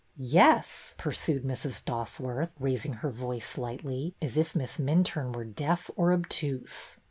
" Yes," pursued Mrs. Dosworth, raising her voice slightly, as if Miss Minturne were deaf or obtuse.